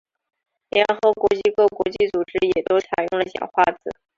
联合国及各国际组织也都采用了简化字。